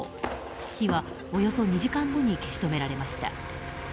火はおよそ２時間後に消し止められました。